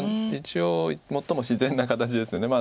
一応最も自然な形です。